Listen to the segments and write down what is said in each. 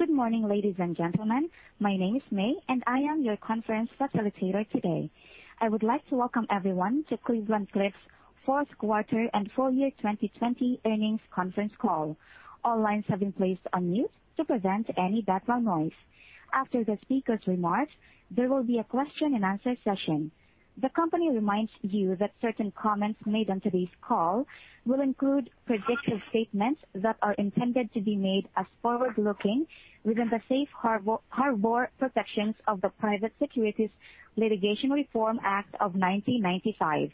Good morning, ladies and gentlemen. My name is May, and I am your conference facilitator today. I would like to welcome everyone to Cleveland-Cliffs' fourth quarter and full year 2020 earnings conference call. All lines have been placed on mute to prevent any background noise. After the speakers' remarks, there will be a question and answer session. The company reminds you that certain comments made on today's call will include predictive statements that are intended to be made as forward-looking within the safe harbor protections of the Private Securities Litigation Reform Act of 1995.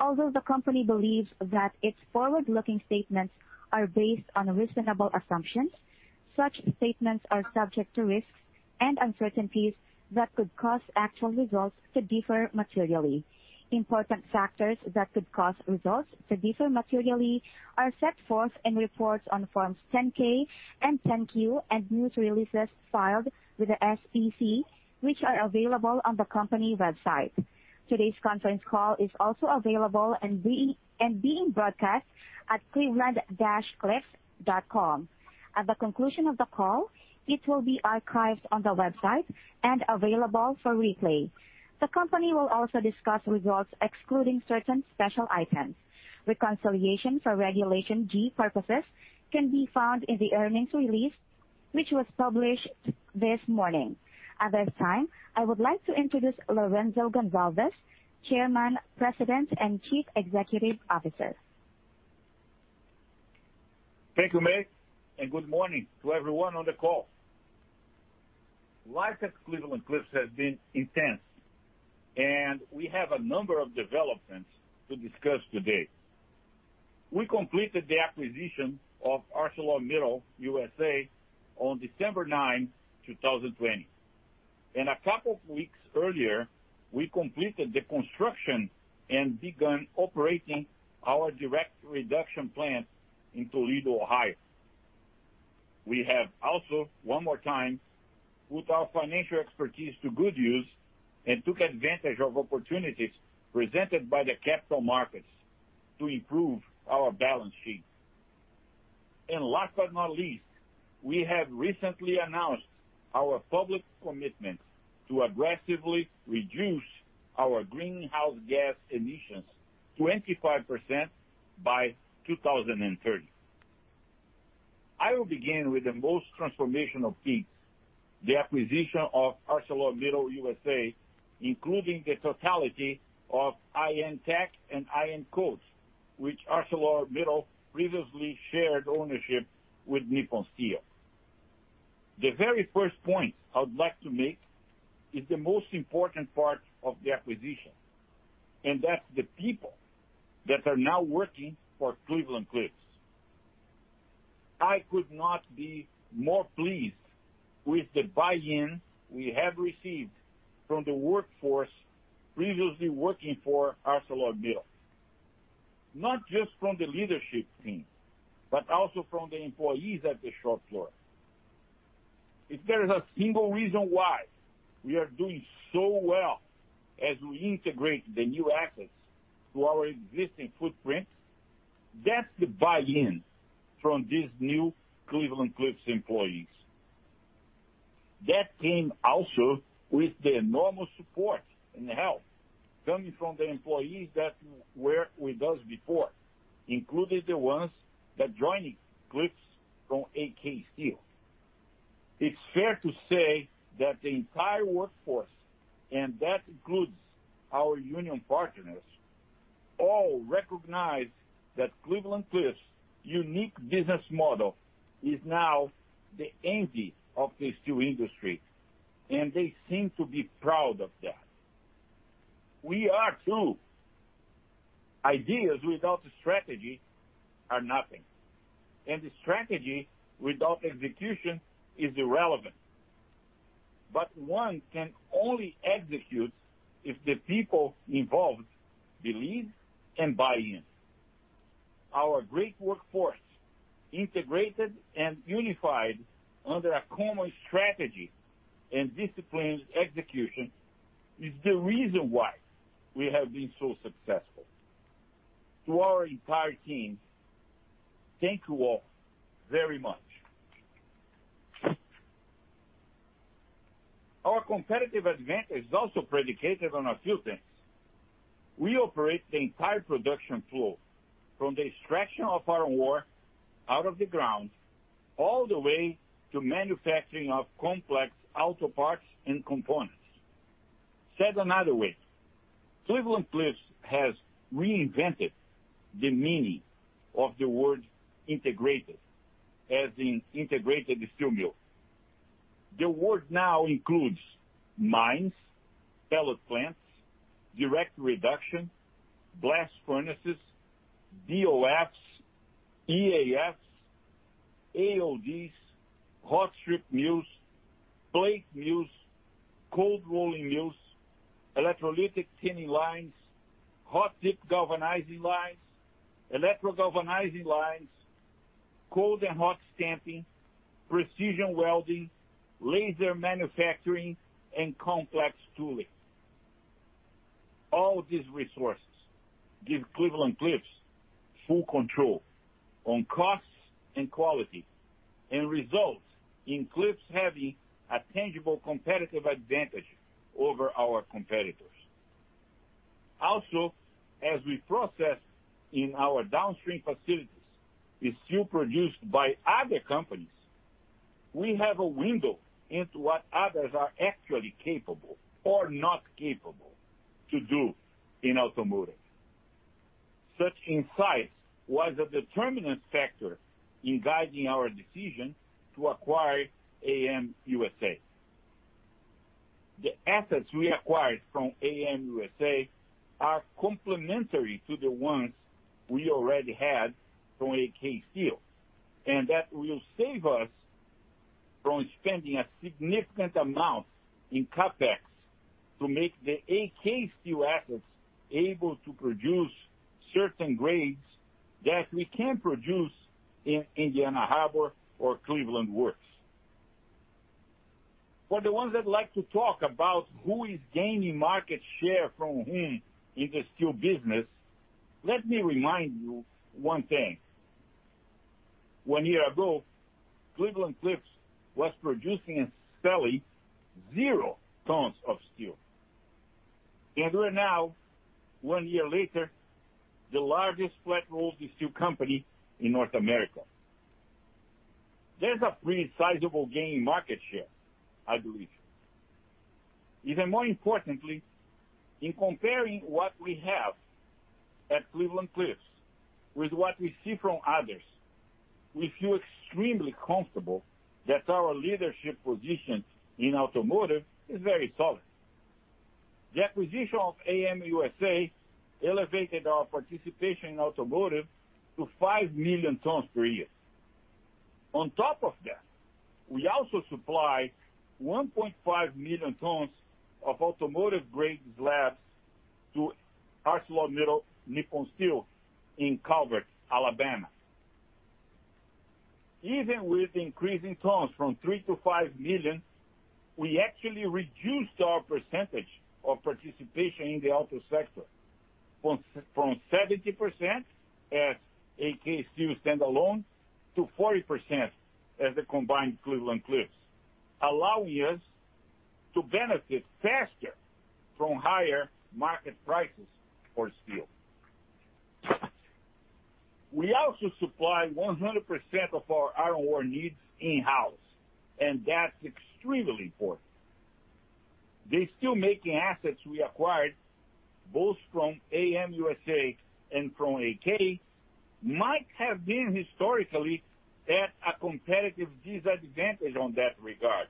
Although the company believes that its forward-looking statements are based on reasonable assumptions, such statements are subject to risks and uncertainties that could cause actual results to differ materially. Important factors that could cause results to differ materially are set forth in reports on forms 10-K and 10-Q and news releases filed with the SEC, which are available on the company website. Today's conference call is also available and being broadcast at cleveland-cliffs.com. At the conclusion of the call, it will be archived on the website and available for replay. The company will also discuss results excluding certain special items. Reconciliation for Regulation G purposes can be found in the earnings release, which was published this morning. At this time, I would like to introduce Lourenco Goncalves, Chairman, President, and Chief Executive Officer. Thank you, May, good morning to everyone on the call. Life at Cleveland-Cliffs has been intense, we have a number of developments to discuss today. We completed the acquisition of ArcelorMittal USA on December 9, 2020. A couple of weeks earlier, we completed the construction and began operating our direct reduction plant in Toledo, Ohio. We have also, one more time, put our financial expertise to good use and took advantage of opportunities presented by the capital markets to improve our balance sheet. Last but not least, we have recently announced our public commitment to aggressively reduce our greenhouse gas emissions 25% by 2030. I will begin with the most transformational piece, the acquisition of ArcelorMittal USA, including the totality of I/N Tek and I/N Kote, which ArcelorMittal previously shared ownership with Nippon Steel. The very first point I would like to make is the most important part of the acquisition, and that's the people that are now working for Cleveland-Cliffs. I could not be more pleased with the buy-in we have received from the workforce previously working for ArcelorMittal, not just from the leadership team, but also from the employees at the shop floor. If there is a single reason why we are doing so well as we integrate the new assets to our existing footprint, that's the buy-in from these new Cleveland-Cliffs employees. That came also with the enormous support and help coming from the employees that were with us before, including the ones that joined Cliffs from AK Steel. It's fair to say that the entire workforce, and that includes our union partners, all recognize that Cleveland-Cliffs' unique business model is now the envy of the steel industry, and they seem to be proud of that. We are too. Ideas without strategy are nothing, and strategy without execution is irrelevant. One can only execute if the people involved believe and buy in. Our great workforce, integrated and unified under a common strategy and disciplined execution, is the reason why we have been so successful. To our entire team, thank you all very much. Our competitive advantage is also predicated on a few things. We operate the entire production flow, from the extraction of iron ore out of the ground, all the way to manufacturing of complex auto parts and components. Said another way, Cleveland-Cliffs has reinvented the meaning of the word integrated, as in integrated steel mill. The word now includes mines, pellet plants, direct reduction, blast furnaces, BOFs, EAFs, AODs, hot strip mills, plate mills, cold rolling mills, electrolytic cleaning lines, hot-dip galvanizing lines, electro-galvanizing lines, cold and hot stamping, precision welding, laser manufacturing, and complex tooling. All these resources give Cleveland-Cliffs full control on costs and quality, and results in Cliffs having a tangible competitive advantage over our competitors. Also, as we process in our downstream facilities the steel produced by other companies, we have a window into what others are actually capable or not capable to do in automotive. Such insight was a determinant factor in guiding our decision to acquire AM USA. The assets we acquired from AM USA are complementary to the ones we already had from AK Steel, and that will save us from spending a significant amount in CapEx to make the AK Steel assets able to produce certain grades that we can't produce in Indiana Harbor or Cleveland Works. For the ones that like to talk about who is gaining market share from whom in the steel business, let me remind you one thing. One year ago, Cleveland-Cliffs was producing and selling zero tons of steel, and we're now, one year later, the largest flat-rolled steel company in North America. There's a pretty sizable gain in market share, I believe. Even more importantly, in comparing what we have at Cleveland-Cliffs with what we see from others, we feel extremely comfortable that our leadership position in automotive is very solid. The acquisition of AM USA elevated our participation in automotive to five million tons per year. On top of that, we also supply 1.5 million tons of automotive-grade slabs to ArcelorMittal Nippon Steel in Calvert, Alabama. Even with increasing tons from three to five million, we actually reduced our percentage of participation in the auto sector from 70% as AK Steel standalone, to 40% as a combined Cleveland-Cliffs, allowing us to benefit faster from higher market prices for steel. We also supply 100% of our iron ore needs in-house, and that's extremely important. The steel-making assets we acquired, both from AM USA and from AK, might have been historically at a competitive disadvantage on that regard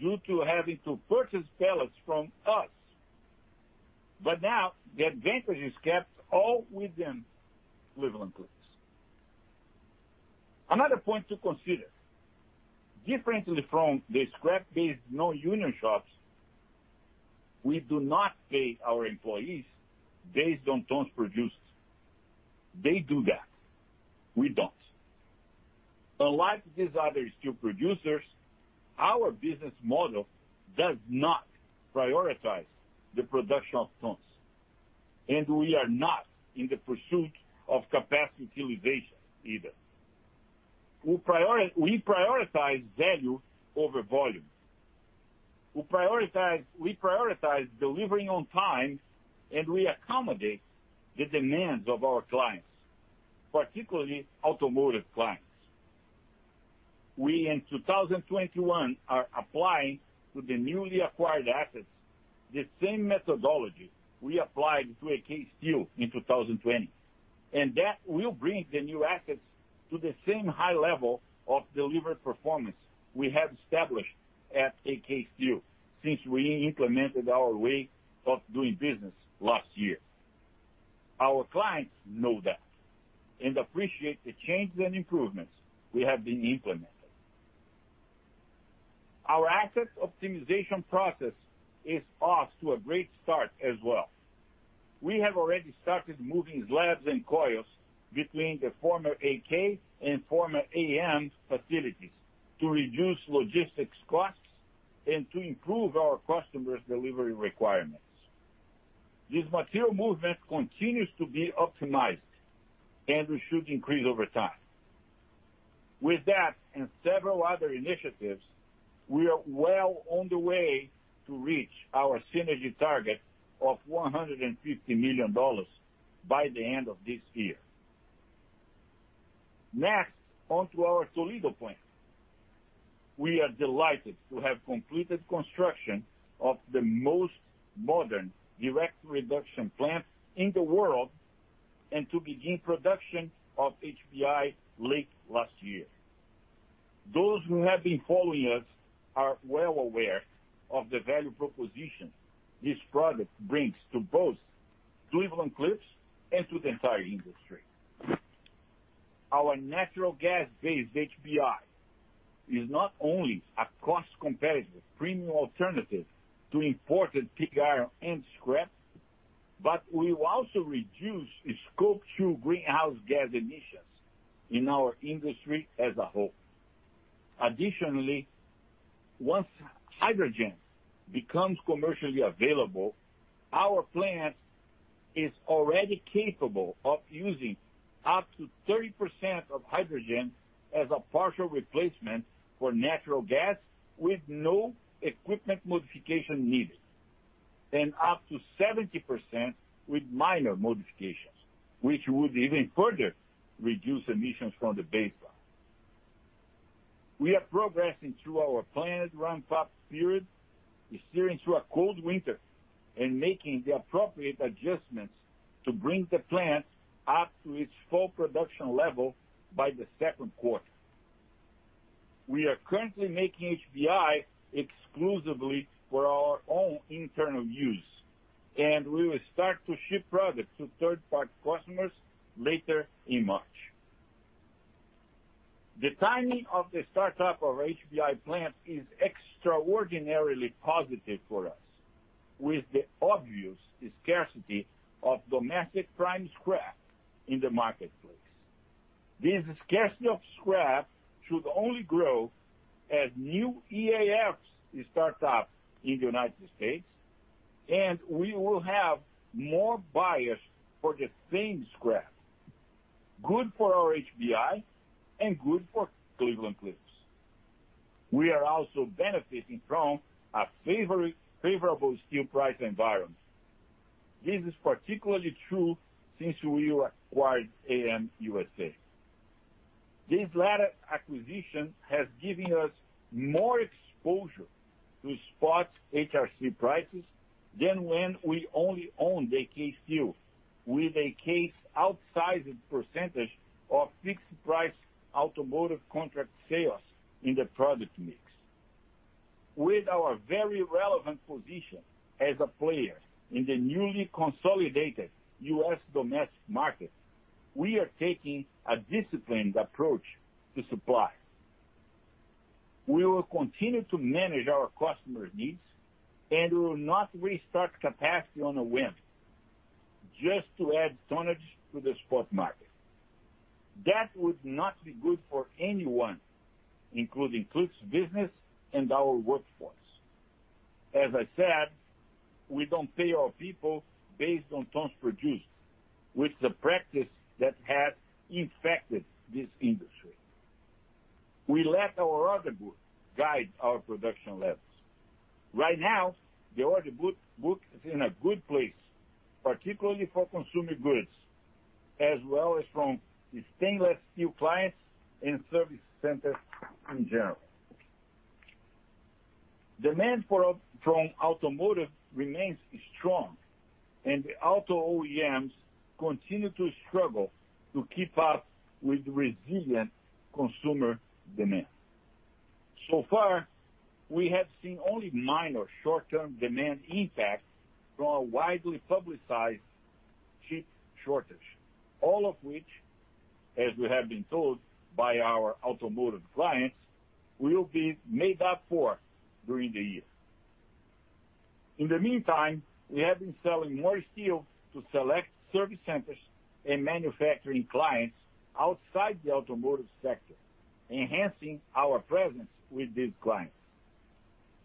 due to having to purchase pellets from us. Now, the advantage is kept all within Cleveland-Cliffs. Another point to consider, differently from the scrap-based non-union shops, we do not pay our employees based on tons produced. They do that. We don't. Unlike these other steel producers, our business model does not prioritize the production of tons, and we are not in the pursuit of capacity utilization either. We prioritize value over volume. We prioritize delivering on time, and we accommodate the demands of our clients, particularly automotive clients. We, in 2021, are applying to the newly acquired assets the same methodology we applied to AK Steel in 2020, and that will bring the new assets to the same high level of delivered performance we have established at AK Steel since we implemented our way of doing business last year. Our clients know that and appreciate the changes and improvements we have been implementing. Our asset optimization process is off to a great start as well. We have already started moving slabs and coils between the former AK and former AM facilities to reduce logistics costs and to improve our customers' delivery requirements. This material movement continues to be optimized and should increase over time. With that and several other initiatives, we are well on the way to reach our synergy target of $150 million by the end of this year. Next, onto our Toledo plant. We are delighted to have completed construction of the most modern direct reduction plant in the world, and to begin production of HBI late last year. Those who have been following us are well aware of the value proposition this product brings to both Cleveland-Cliffs and to the entire industry. Our natural gas-based HBI is not only a cost-competitive premium alternative to imported pig iron and scrap, but will also reduce the Scope 2 greenhouse gas emissions in our industry as a whole. Additionally, once hydrogen becomes commercially available, our plant is already capable of using up to 30% of hydrogen as a partial replacement for natural gas with no equipment modification needed. Up to 70% with minor modifications, which would even further reduce emissions from the baseline. We are progressing through our planned ramp-up period, steering through a cold winter, and making the appropriate adjustments to bring the plant up to its full production level by the second quarter. We are currently making HBI exclusively for our own internal use, and we will start to ship products to third-party customers later in March. The timing of the startup of HBI plant is extraordinarily positive for us, with the obvious scarcity of domestic prime scrap in the marketplace. This scarcity of scrap should only grow as new EAFs start up in the United States, and we will have more buyers for the same scrap. Good for our HBI and good for Cleveland-Cliffs. We are also benefiting from a favorable steel price environment. This is particularly true since we acquired AM USA. This latter acquisition has given us more exposure to spot HRC prices than when we only owned AK Steel, with AK's outsized percentage of fixed price automotive contract sales in the product mix. With our very relevant position as a player in the newly consolidated U.S. domestic market, we are taking a disciplined approach to supply. We will continue to manage our customers' needs, and will not restart capacity on a whim just to add tonnage to the spot market. That would not be good for anyone, including Cliffs' business and our workforce. As I said, we don't pay our people based on tons produced, which is a practice that has infected this industry. We let our order book guide our production levels. Right now, the order book is in a good place, particularly for consumer goods, as well as from the stainless steel clients and service centers in general. Demand from automotive remains strong, and the auto OEMs continue to struggle to keep up with resilient consumer demand. far, we have seen only minor short-term demand impacts from a widely publicized chip shortage, all of which, as we have been told by our automotive clients, will be made up for during the year. In the meantime, we have been selling more steel to select service centers and manufacturing clients outside the automotive sector, enhancing our presence with these clients.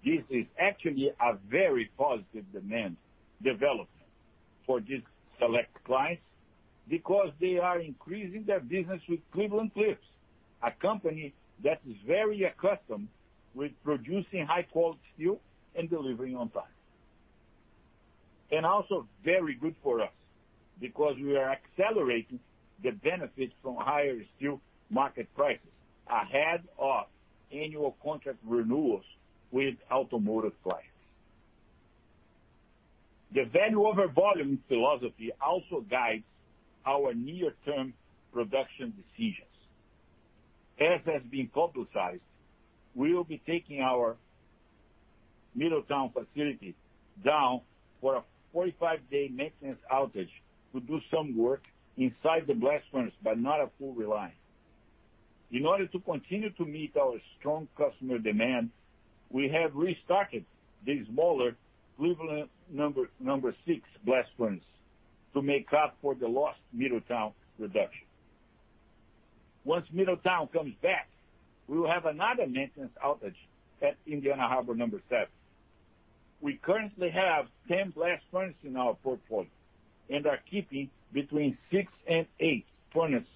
This is actually a very positive demand development for these select clients because they are increasing their business with Cleveland-Cliffs, a company that is very accustomed with producing high-quality steel and delivering on time. Also very good for us, because we are accelerating the benefits from higher steel market prices ahead of annual contract renewals with automotive clients. The value over volume philosophy also guides our near-term production decisions. As has been publicized, we will be taking our Middletown facility down for a 45-day maintenance outage to do some work inside the blast furnace, but not a full reliance. In order to continue to meet our strong customer demand, we have restarted the smaller Cleveland number six blast furnace to make up for the lost Middletown reduction. Once Middletown comes back, we will have another maintenance outage at Indiana Harbor number seven. We currently have 10 blast furnaces in our portfolio and are keeping between six and eight furnaces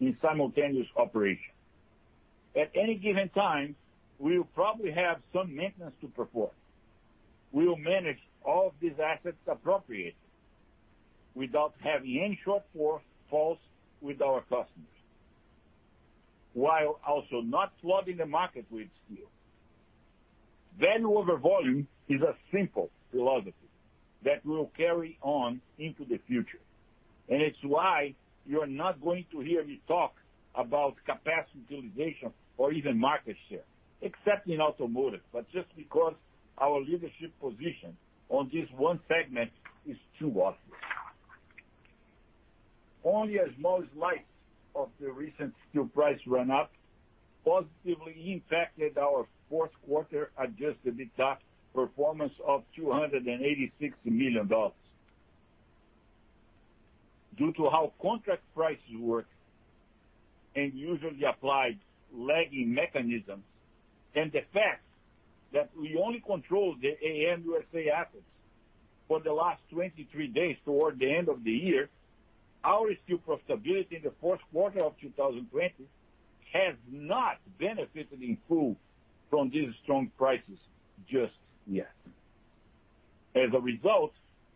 in simultaneous operation. At any given time, we will probably have some maintenance to perform. We will manage all of these assets appropriately without having any shortfalls with our customers, while also not flooding the market with steel. Value over volume is a simple philosophy that will carry on into the future, and it's why you're not going to hear me talk about capacity utilization or even market share, except in automotive, but just because our leadership position on this one segment is too obvious. Only a small slice of the recent steel price run-up positively impacted our fourth quarter adjusted EBITDA performance of $286 million. Due to how contract prices work and usually applied lagging mechanisms, and the fact that we only control the AM USA assets for the last 23 days toward the end of the year, our steel profitability in the fourth quarter of 2020 has not benefited from these strong prices just yet. As a result,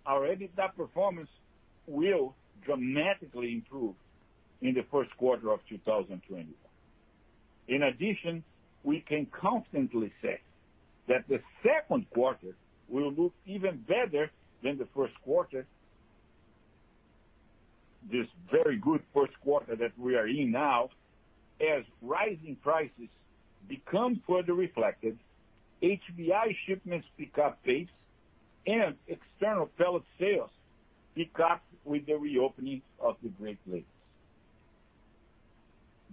our EBITDA performance will dramatically improve in the first quarter of 2021. In addition, we can confidently say that the second quarter will look even better than the first quarter, this very good first quarter that we are in now, as rising prices become further reflected, HBI shipments pick up pace, and external pellet sales pick up with the reopening of the Great Lakes.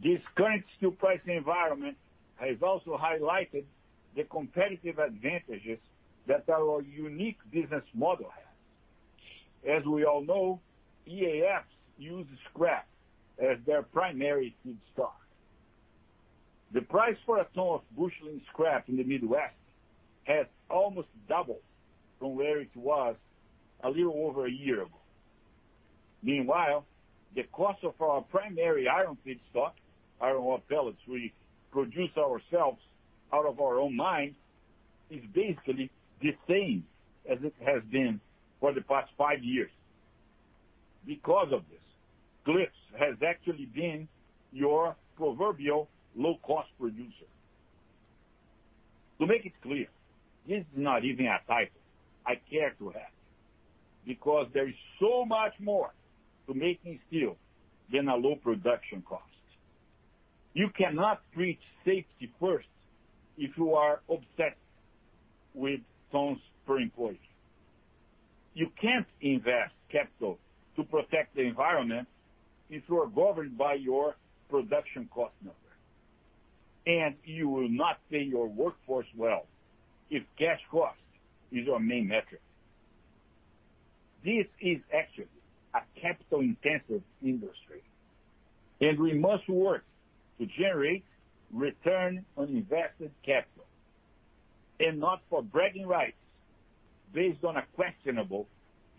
This current steel pricing environment has also highlighted the competitive advantages that our unique business model has. As we all know, EAFs use scrap as their primary feedstock. The price for a ton of busheling scrap in the Midwest has almost doubled from where it was a little over a year ago. Meanwhile, the cost of our primary iron feedstock, iron ore pellets we produce ourselves out of our own mines, is basically the same as it has been for the past five years. Because of this, Cliffs has actually been your proverbial low-cost producer. To make it clear, this is not even a title I care to have, because there is so much more to making steel than a low production cost. You cannot treat safety first if you are obsessed with tons per employee. You can't invest capital to protect the environment if you are governed by your production cost number. You will not pay your workforce well if cash cost is your main metric. This is actually a capital-intensive industry, and we must work to generate return on invested capital, and not for bragging rights based on a questionable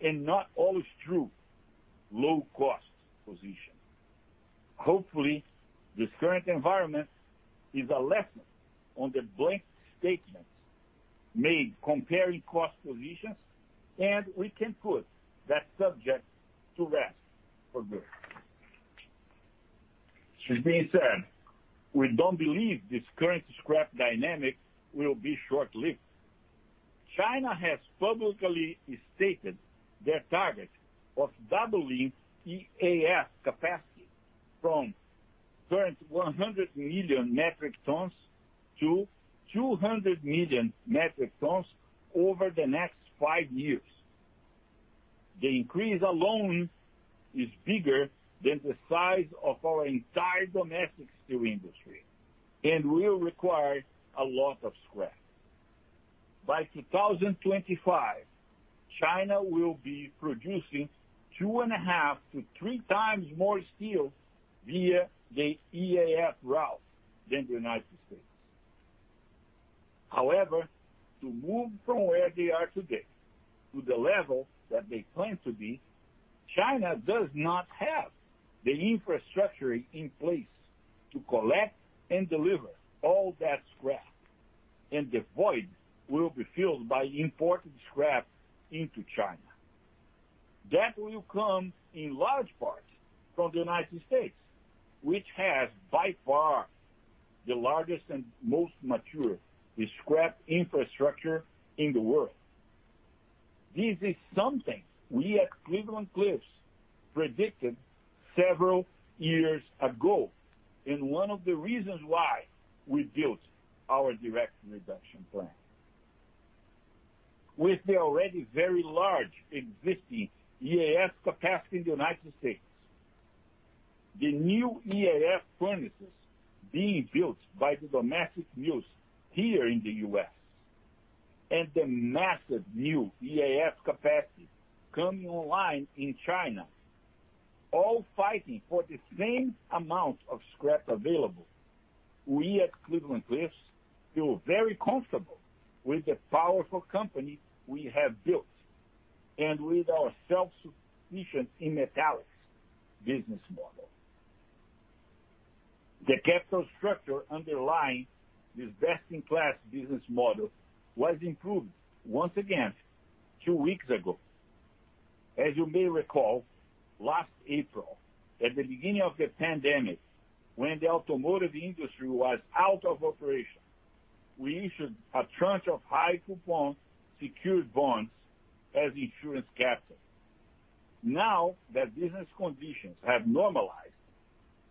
and not always true low cost position. Hopefully, this current environment is a lesson on the blanket statements made comparing cost positions, and we can put that subject to rest for good. This being said, we don't believe this current scrap dynamic will be short-lived. China has publicly stated their target of doubling EAF capacity from current 100 million metric tons to 200 million metric tons over the next five years. The increase alone is bigger than the size of our entire domestic steel industry and will require a lot of scrap. By 2025, China will be producing two and a half to three times more steel via the EAF route than the United States. However, to move from where they are today to the level that they plan to be, China does not have the infrastructure in place to collect and deliver all that scrap, and the void will be filled by imported scrap into China. That will come in large part from the United States, which has, by far, the largest and most mature scrap infrastructure in the world. This is something we at Cleveland-Cliffs predicted several years ago, and one of the reasons why we built our direct reduction plant. With the already very large existing EAF capacity in the United States, the new EAF furnaces being built by the domestic mills here in the U.S., and the massive new EAF capacity coming online in China, all fighting for the same amount of scrap available. We at Cleveland-Cliffs feel very comfortable with the powerful company we have built and with our self-sufficiency metallics business model. The capital structure underlying this best-in-class business model was improved once again two weeks ago. As you may recall, last April, at the beginning of the pandemic, when the automotive industry was out of operation, we issued a tranche of high coupon secured bonds as insurance capital. Now that business conditions have normalized,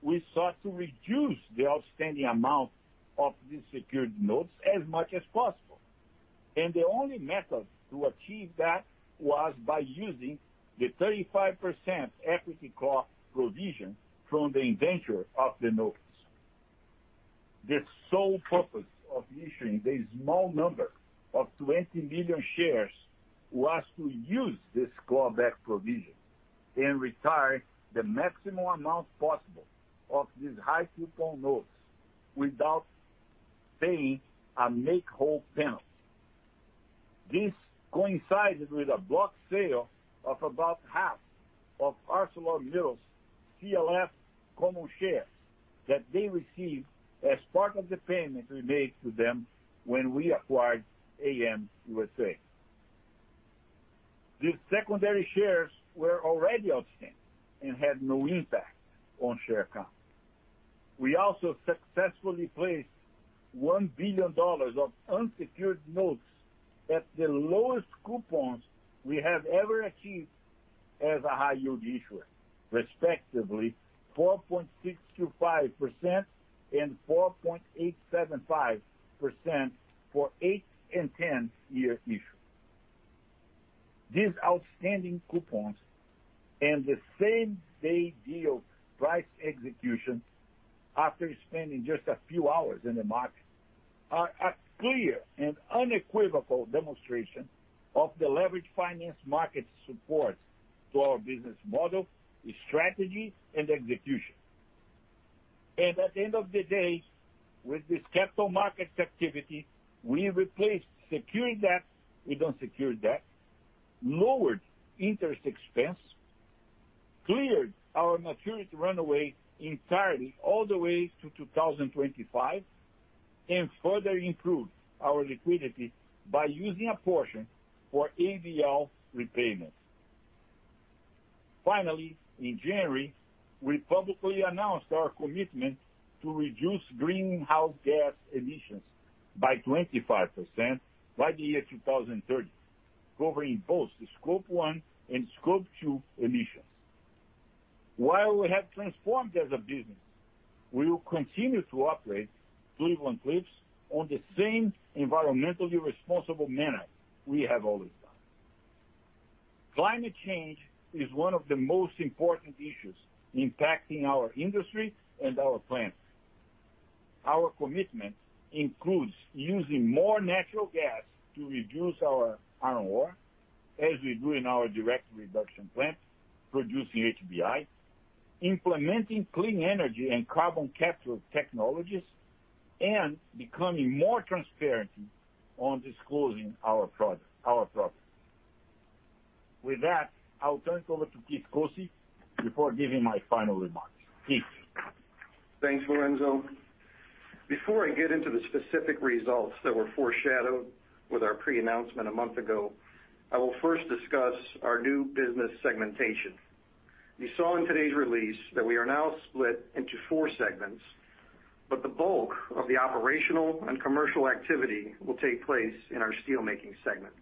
we sought to reduce the outstanding amount of these secured notes as much as possible. The only method to achieve that was by using the 35% equity call provision from the indenture of the notes. The sole purpose of issuing the small number of 20 million shares was to use this call back provision and retire the maximum amount possible of these high coupon notes without paying a make-whole penalty. This coincides with a block sale of about half of ArcelorMittal's CLF common shares that they received as part of the payment we made to them when we acquired AM USA. These secondary shares were already outstanding and had no impact on share count. We also successfully placed $1 billion of unsecured notes at the lowest coupons we have ever achieved as a high yield issuer, respectively 4.625% and 4.875% for eight and 10 year issues. These outstanding coupons and the same day deal price execution after spending just a few hours in the market, are a clear and unequivocal demonstration of the leveraged finance market support to our business model, strategy, and execution. At the end of the day, with this capital markets activity, we replaced secured debt with unsecured debt, lowered interest expense, cleared our maturity runway entirely all the way to 2025, and further improved our liquidity by using a portion for ABL repayments. Finally, in January, we publicly announced our commitment to reduce greenhouse gas emissions by 25% by the year 2030, covering both Scope 1 and Scope 2 emissions. While we have transformed as a business, we will continue to operate Cleveland-Cliffs on the same environmentally responsible manner we have always done. Climate change is one of the most important issues impacting our industry and our planet. Our commitment includes using more natural gas to reduce our iron ore, as we do in our direct reduction plant, producing HBI. Implementing clean energy and carbon capture technologies, and becoming more transparent on disclosing our progress. With that, I will turn it over to Keith Koci before giving my final remarks. Keith? Thanks, Lourenco. Before I get into the specific results that were foreshadowed with our pre-announcement a month ago, I will first discuss our new business segmentation. You saw in today's release that we are now split into four segments, but the bulk of the operational and commercial activity will take place in our steel making segment.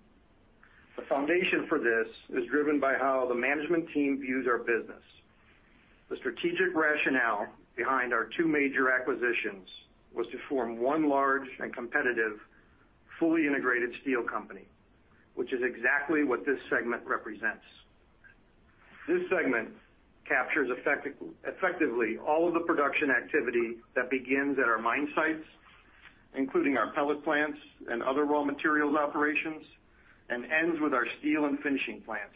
The foundation for this is driven by how the management team views our business. The strategic rationale behind our two major acquisitions was to form one large and competitive, fully integrated steel company, which is exactly what this segment represents. This segment captures effectively all of the production activity that begins at our mine sites, including our pellet plants and other raw materials operations, and ends with our steel and finishing plants.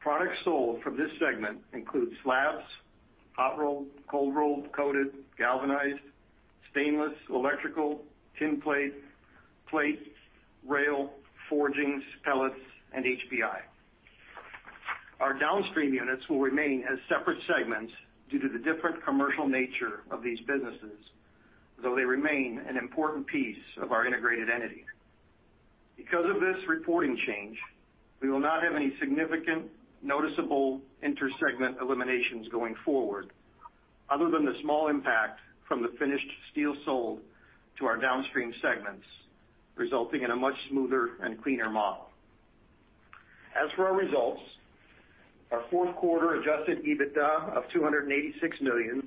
Products sold from this segment include slabs, hot-rolled, cold-rolled, coated, galvanized, stainless, electrical, tinplate, plates, rail, forgings, pellets, and HBI. Our downstream units will remain as separate segments due to the different commercial nature of these businesses, although they remain an important piece of our integrated entity. Because of this reporting change, we will not have any significant noticeable inter-segment eliminations going forward, other than the small impact from the finished steel sold to our downstream segments, resulting in a much smoother and cleaner model. As for our results, our fourth quarter adjusted EBITDA of $286 million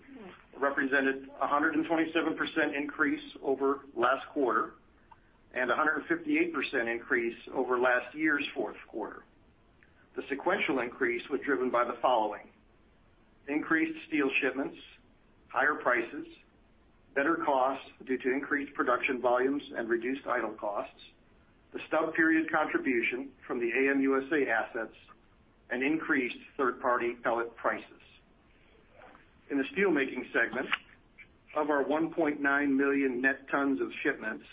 represented 127% increase over last quarter, and 158% increase over last year's fourth quarter. The sequential increase was driven by the following. increased steel shipments, higher prices, better costs due to increased production volumes and reduced idle costs, the stub period contribution from the AM USA assets, and increased third-party pellet prices. In the steel making segment, of our 1.9 million net tons of shipments,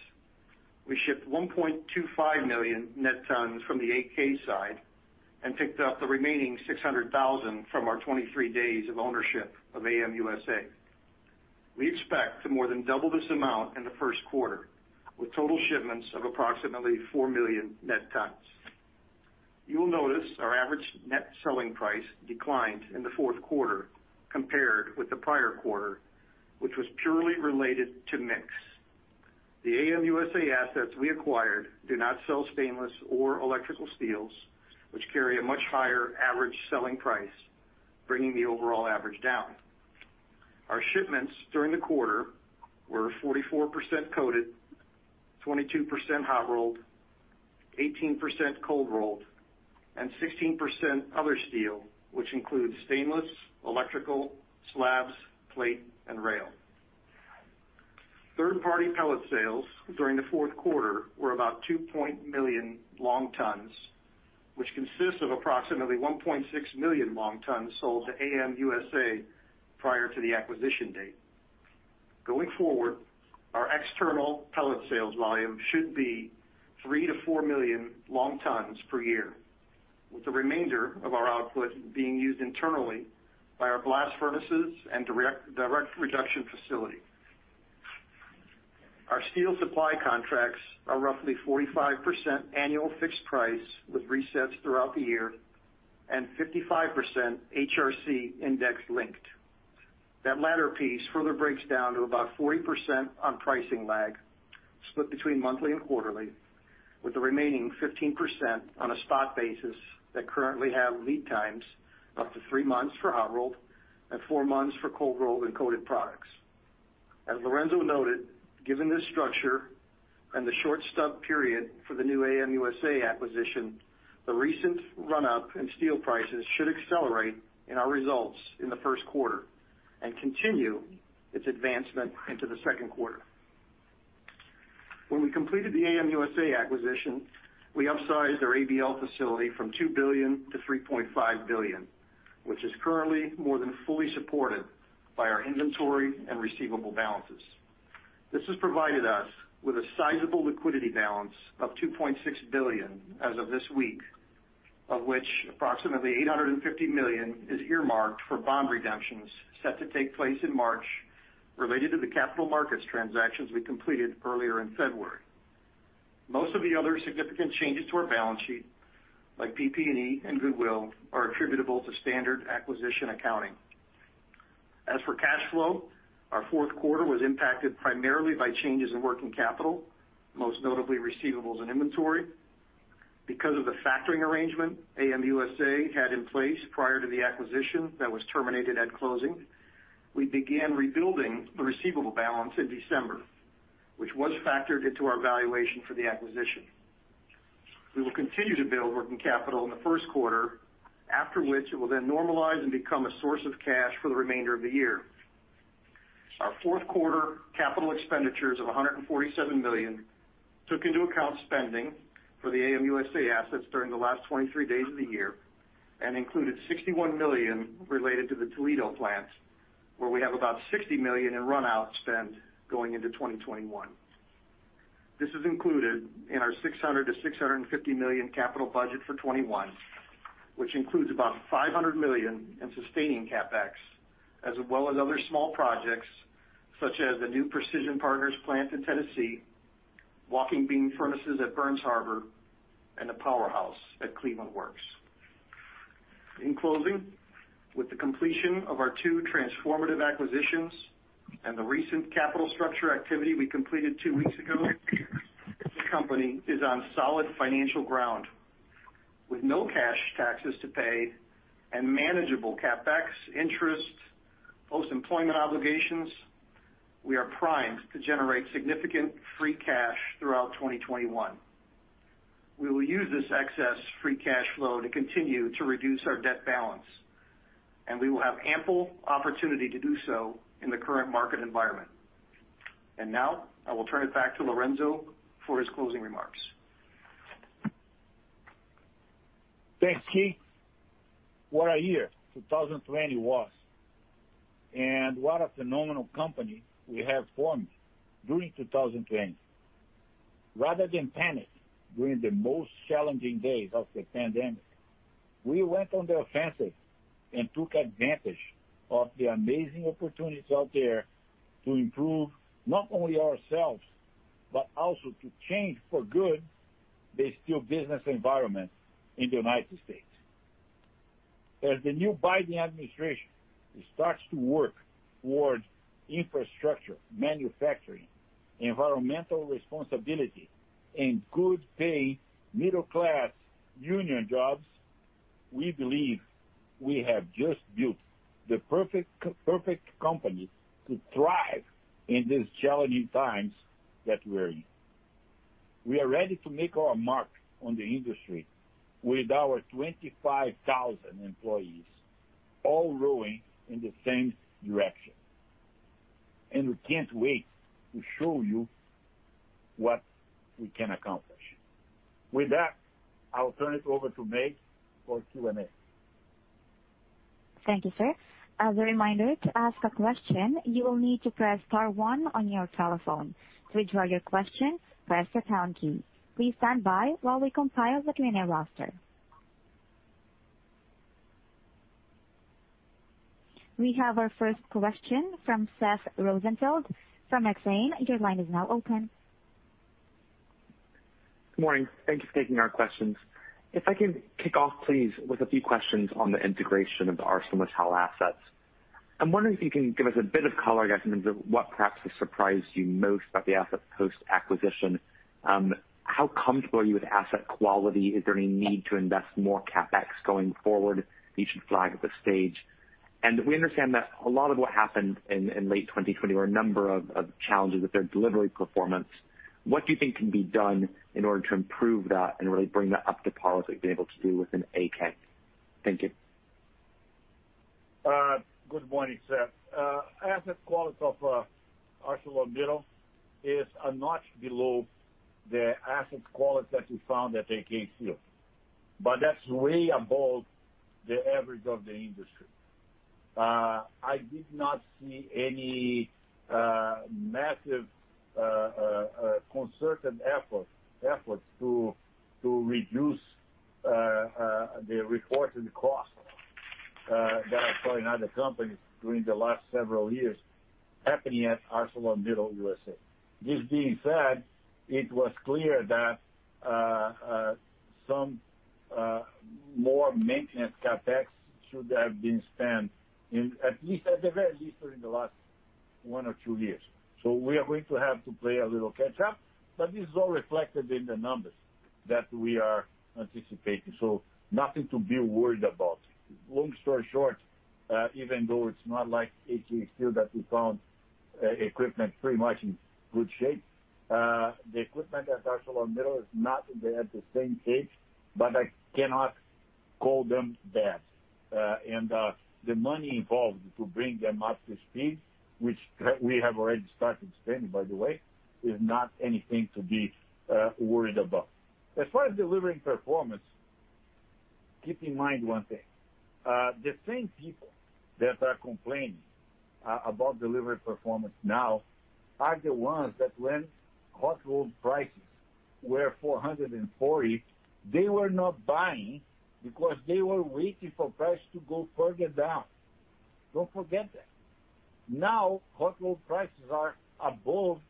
we shipped 1.25 million net tons from the AK side and picked up the remaining 600,000 from our 23 days of ownership of AM USA. We expect to more than double this amount in the first quarter, with total shipments of approximately four million net tons. You will notice our average net selling price declined in the fourth quarter compared with the prior quarter, which was purely related to mix. The AM USA assets we acquired do not sell stainless or electrical steels, which carry a much higher average selling price, bringing the overall average down. Our shipments during the quarter were 44% coated, 22% hot-rolled, 18% cold-rolled, and 16% other steel, which includes stainless, electrical, slabs, plate, and rail. Third-party pellet sales during the fourth quarter were about 2 million long tons, which consists of approximately 1.6 million long tons sold to AM USA prior to the acquisition date. Going forward, our external pellet sales volume should be 3-4 million long tons per year, with the remainder of our output being used internally by our blast furnaces and direct reduction facility. Our steel supply contracts are roughly 45% annual fixed price with resets throughout the year and 55% HRC index-linked. That latter piece further breaks down to about 40% on pricing lag, split between monthly and quarterly, with the remaining 15% on a spot basis that currently have lead times up to three months for hot-rolled and four months for cold-rolled and coated products. As Lourenco noted, given this structure and the short stub period for the new AM USA acquisition, the recent run-up in steel prices should accelerate in our results in the first quarter and continue its advancement into the second quarter. When we completed the AM USA acquisition, we upsized our ABL facility from $2 billion-$3.5 billion, which is currently more than fully supported by our inventory and receivable balances. This has provided us with a sizable liquidity balance of $2.6 billion as of this week, of which approximately $850 million is earmarked for bond redemptions set to take place in March related to the capital markets transactions we completed earlier in February. Most of the other significant changes to our balance sheet, like PP&E and goodwill, are attributable to standard acquisition accounting. As for cash flow, our fourth quarter was impacted primarily by changes in working capital, most notably receivables and inventory. Because of the factoring arrangement AM USA had in place prior to the acquisition that was terminated at closing, we began rebuilding the receivable balance in December, which was factored into our valuation for the acquisition. We will continue to build working capital in the first quarter, after which it will then normalize and become a source of cash for the remainder of the year. Our fourth quarter capital expenditures of $147 million took into account spending for the AM USA assets during the last 23 days of the year and included $61 million related to the Toledo plant, where we have about $60 million in run-out spend going into 2021. This is included in our $600 million-$650 million capital budget for 2021, which includes about $500 million in sustaining CapEx, as well as other small projects such as the new Precision Partners plant in Tennessee, walking beam furnaces at Burns Harbor, and the powerhouse at Cleveland Works. In closing, with the completion of our two transformative acquisitions and the recent capital structure activity we completed two weeks ago, this company is on solid financial ground. With no cash taxes to pay and manageable CapEx interest, post-employment obligations, we are primed to generate significant free cash throughout 2021. We will use this excess free cash flow to continue to reduce our debt balance, and we will have ample opportunity to do so in the current market environment. Now, I will turn it back to Lourenco for his closing remarks. Thanks, Keith. What a year 2020 was, and what a phenomenal company we have formed during 2020. Rather than panic during the most challenging days of the pandemic, we went on the offensive and took advantage of the amazing opportunities out there to improve not only ourselves, but also to change, for good, the steel business environment in the United States. As the new Biden administration starts to work towards infrastructure, manufacturing, environmental responsibility, and good-pay, middle-class union jobs, we believe we have just built the perfect company to thrive in these challenging times that we're in. We are ready to make our mark on the industry with our 25,000 employees all rowing in the same direction, and we can't wait to show you what we can accomplish. With that, I will turn it over to May for Q&A. Thank you, sir. As a reminder, to ask a question, you will need to press star one on your telephone. To withdraw your question, press the pound key. Please stand by while we compile the Q&A roster. We have our first question from Seth Rosenfeld from Exane. Your line is now open. Good morning. Thank you for taking our questions. If I can kick off, please, with a few questions on the integration of the ArcelorMittal assets. I'm wondering if you can give us a bit of color, I guess, in terms of what perhaps has surprised you most about the asset post-acquisition. How comfortable are you with asset quality? Is there any need to invest more CapEx going forward that you should flag at this stage? We understand that a lot of what happened in late 2020 were a number of challenges with their delivery performance. What do you think can be done in order to improve that and really bring that up to par with what you've been able to do within AK? Thank you. Good morning, Seth. Asset quality of ArcelorMittal is a notch below the asset quality that we found at AK Steel, but that's way above the average of the industry. I did not see any massive concerted efforts to reduce the reported cost that I saw in other companies during the last several years happening at ArcelorMittal USA. This being said, it was clear that some more maintenance CapEx should have been spent in, at the very least, during the last one or two years. We are going to have to play a little catch up, but this is all reflected in the numbers that we are anticipating, so nothing to be worried about. Long story short, even though it's not like AK Steel that we found equipment pretty much in good shape, the equipment at ArcelorMittal is not at the same page, but I cannot call them bad. The money involved to bring them up to speed, which we have already started spending, by the way, is not anything to be worried about. As far as delivering performance, keep in mind one thing. The same people that are complaining about delivery performance now are the ones that when hot rolled prices were 440, they were not buying because they were waiting for prices to go further down. Don't forget that. Now, hot rolled prices are above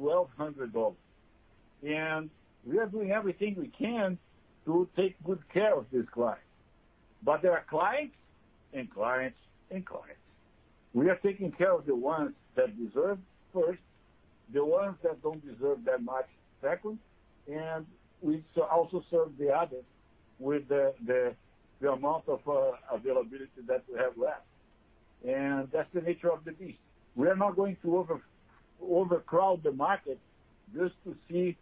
$1,200, and we are doing everything we can to take good care of these clients. There are clients and clients and clients. We are taking care of the ones that deserve first, the ones that don't deserve that much second, and we also serve the others with the amount of availability that we have left. That's the nature of the beast. We are not going to overcrowd the market just to see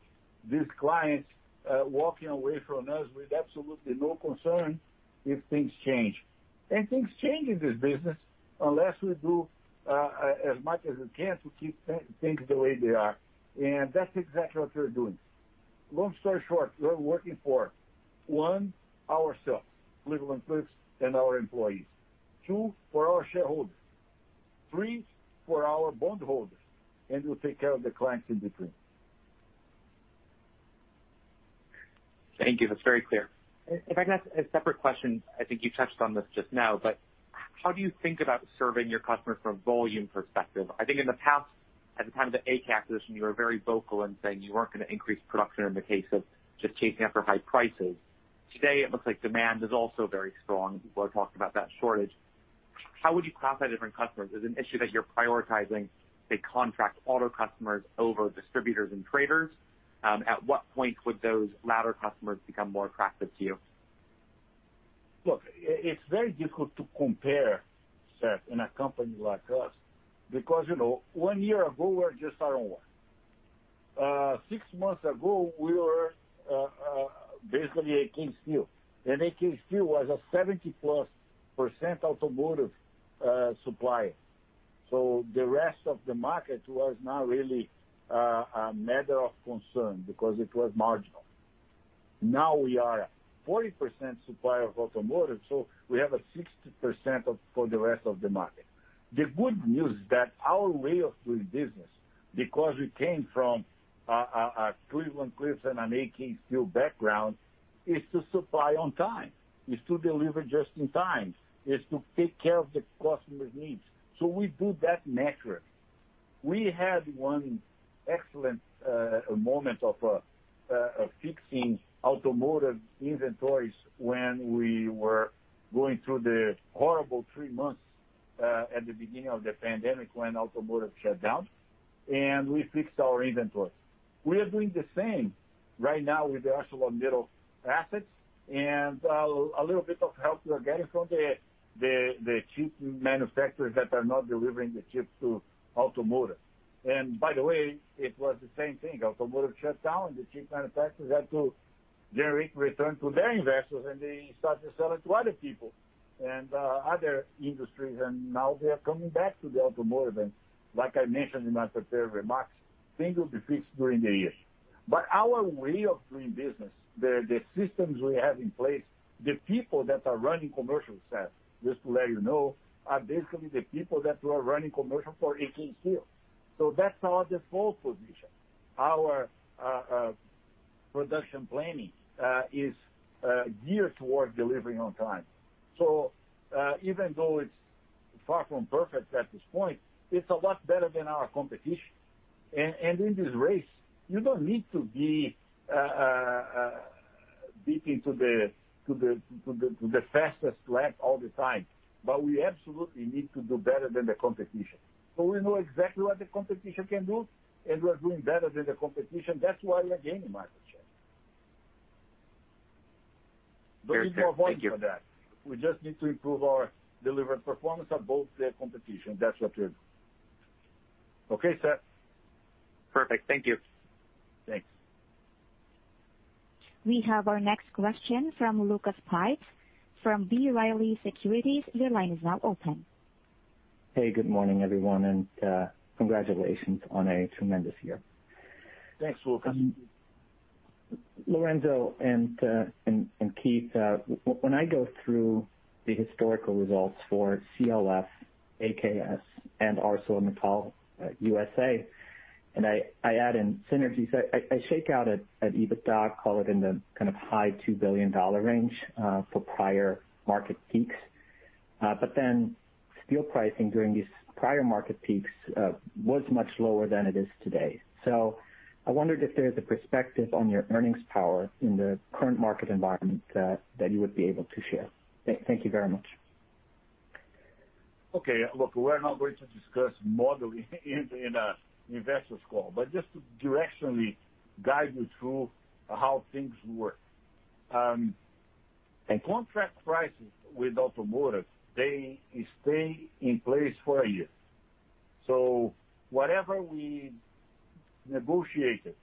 these clients walking away from us with absolutely no concern if things change. Things change in this business unless we do as much as we can to keep things the way they are, and that's exactly what we're doing. Long story short, we are working for, one, ourselves, Cleveland-Cliffs and our employees. Two, for our shareholders. Three, for our bondholders, and we'll take care of the clients in between. Thank you. That's very clear. If I can ask a separate question, I think you touched on this just now, but how do you think about serving your customers from a volume perspective? I think in the past, at the time of the AK acquisition, you were very vocal in saying you weren't gonna increase production in the case of just chasing after high prices. Today it looks like demand is also very strong, and people are talking about that shortage. How would you classify different customers as an issue that you're prioritizing, say, contract auto customers over distributors and traders? At what point would those latter customers become more attractive to you? Look, it's very difficult to compare, Seth, in a company like us because one year ago we were just iron ore. Six months ago, we were basically AK Steel, and AK Steel was a 70%+ automotive supplier. The rest of the market was not really a matter of concern because it was marginal. Now we are a 40% supplier of automotive, so we have a 60% for the rest of the market. The good news is that our way of doing business, because we came from a Cleveland-Cliffs and an AK Steel background, is to supply on time, is to deliver just in time, is to take care of the customer's needs. We do that metric. We had one excellent moment of fixing automotive inventories when we were going through the horrible three months at the beginning of the pandemic when automotive shut down, and we fixed our inventory. We are doing the same right now with the ArcelorMittal assets and a little bit of help we are getting from the chip manufacturers that are not delivering the chips to automotive. By the way, it was the same thing. Automotive shut down, the chip manufacturers had to generate return to their investors, and they start to sell it to other people and other industries, and now they are coming back to the automotive. Like I mentioned in my prepared remarks, things will be fixed during the year. Our way of doing business, the systems we have in place, the people that are running commercial, Seth, just to let you know, are basically the people that were running commercial for AK Steel. that's our default position. Our production planning is geared towards delivering on time. even though it's far from perfect at this point, it's a lot better than our competition. in this race, you don't need to be beating to the fastest lap all the time, but we absolutely need to do better than the competition. we know exactly what the competition can do, and we're doing better than the competition. That's why we are gaining market share. There's no avoiding for that. We just need to improve our delivered performance above the competition. That's what we're doing. Okay, Seth. Perfect. Thank you. Thanks. We have our next question from Lucas Pipes from B. Riley Securities. Your line is now open. Hey, good morning, everyone, and congratulations on a tremendous year. Thanks, Lucas. Lourenco and Keith, when I go through the historical results for CLF, AKS, and ArcelorMittal USA, and I add in synergies, I shake out at EBITDA, call it in the kind of high $2 billion range for prior market peaks. Steel pricing during these prior market peaks was much lower than it is today. I wondered if there's a perspective on your earnings power in the current market environment that you would be able to share. Thank you very much. Okay. Look, we're not going to discuss modeling in a investor's call. just to directionally guide you through how things work. In contract prices with automotive, they stay in place for a year. whatever we negotiated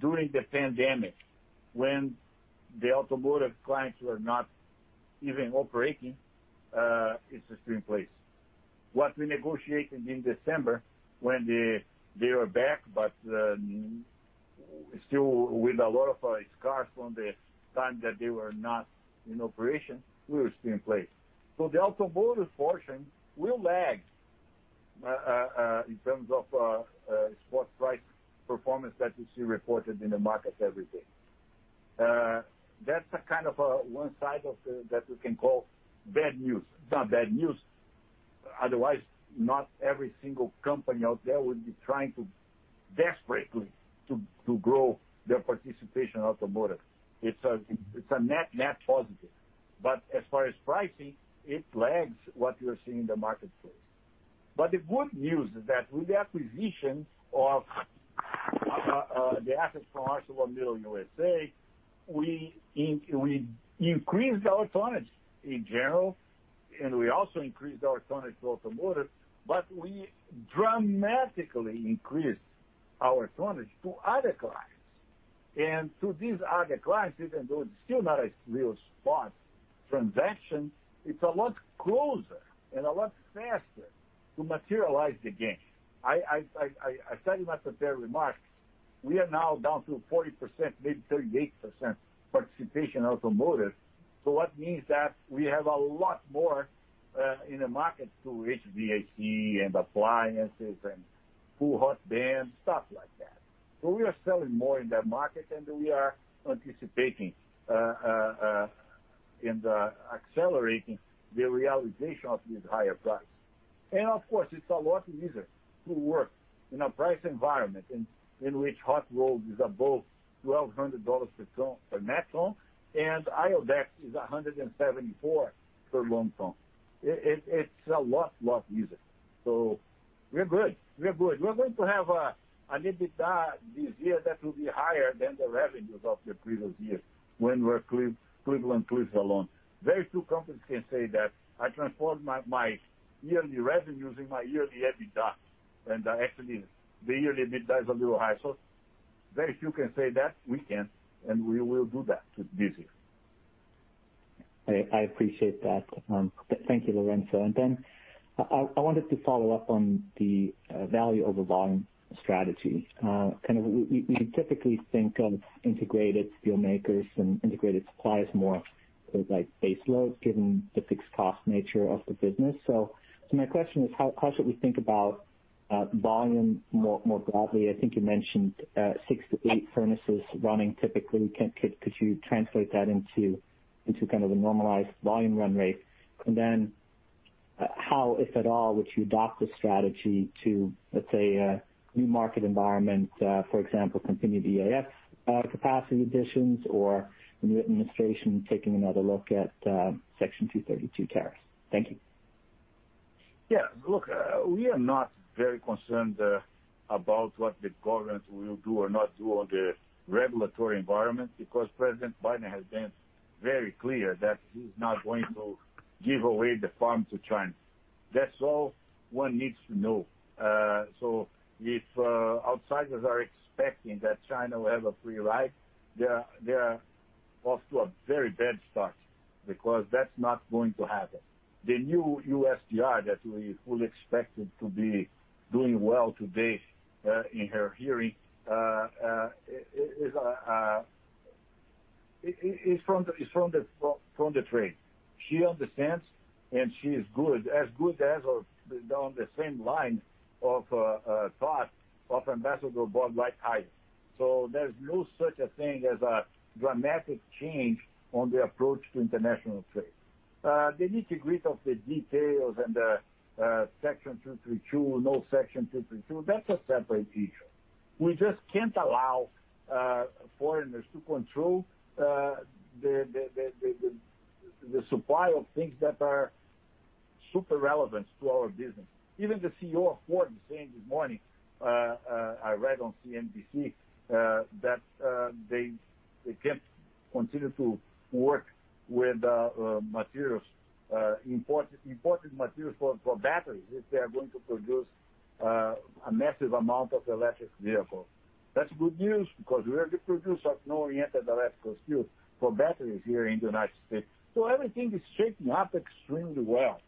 during the pandemic when the automotive clients were not even operating, it's still in place. What we negotiated in December, when they were back, but still with a lot of scars from the time that they were not in operation, will stay in place. the automotive portion will lag, in terms of spot price performance that you see reported in the market every day. That's a kind of one side that we can call bad news. It's not bad news. Otherwise, not every single company out there would be trying desperately to grow their participation in automotive. It's a net positive. As far as pricing, it lags what you're seeing in the marketplace. The good news is that with the acquisition of the assets from ArcelorMittal USA, we increased our tonnage in general, and we also increased our tonnage to automotive, but we dramatically increased our tonnage to other clients. To these other clients, even though it's still not a real spot transaction, it's a lot closer and a lot faster to materialize the gain. I said in my prepared remarks, we are now down to 40%, maybe 38% participation automotive. That means that we have a lot more in the market to HVAC and appliances and cool hot vans, stuff like that. We are selling more in that market than we are anticipating, and accelerating the realization of these higher prices. Of course, it's a lot easier to work in a price environment in which hot rolled is above $1,200 per net ton and IODEX is $174 per long ton. It's a lot easier. We're good. We're going to have an EBITDA this year that will be higher than the revenues of the previous year when we're Cleveland-Cliffs alone. Very few companies can say that I transformed my yearly revenues and my yearly EBITDA, and actually the yearly EBITDA is a little high. Very few can say that. We can, and we will do that this year. I appreciate that. Thank you, Lourenco. I wanted to follow up on the value over volume strategy. Kind of we typically think of integrated steelmakers and integrated suppliers more sort of like baseload, given the fixed cost nature of the business. My question is, how should we think about volume more broadly? I think you mentioned six to eight furnaces running typically. Could you translate that into kind of a normalized volume run rate? How, if at all, would you dock the strategy to, let's say, a new market environment, for example, continued EAF capacity additions or the new administration taking another look at Section 232 tariffs? Thank you. Yeah. Look, we are not very concerned about what the government will do or not do on the regulatory environment because President Biden has been very clear that he's not going to give away the farm to China. That's all one needs to know. If outsiders are expecting that China will have a free ride, they are off to a very bad start because that's not going to happen. The new USTR that we fully expected to be doing well today in her hearing is from the trade. She understands, and she is good, as good as or on the same line of thought of Ambassador Bob Lighthizer. There's no such a thing as a dramatic change on the approach to international trade. They need to agree on the details and Section 232, no Section 232. That's a separate issue. We just can't allow foreigners to control the supply of things that are super relevant to our business. Even the CEO of Ford was saying this morning, I read on CNBC, that they can't continue to work with imported materials for batteries if they are going to produce a massive amount of electric vehicles. That's good news because we are the producer of oriented electrical steel for batteries here in the United States. Everything is shaping up extremely well